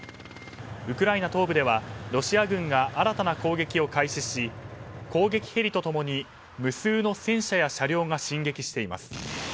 ウクライナ東部ではロシア軍が新たな攻撃を開始し攻撃ヘリと共に無数の戦車や車両が進撃しています。